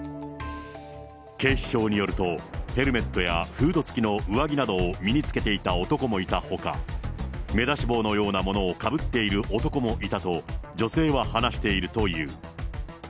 警視庁によると、ヘルメットやフード付きの上着などを身につけていた男もいたほか、目出し帽のようなものをかぶっている男もいたと、女性は話しているという。